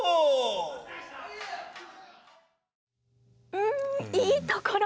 うんいいところで。